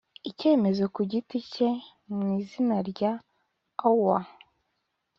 icyemezo ku giti cye mu izina rya oua.